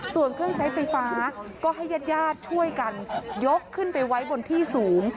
ส่วนเครื่องใช้ไฟฟ้าก็ให้ญาติญาติช่วยกันยกขึ้นไปไว้บนที่สูง